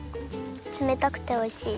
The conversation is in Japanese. つめたくておいしい。